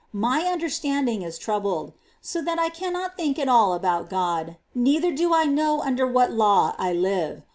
My understanding is troubled, so that I cannot think at all about God, neither do I know under what law I live.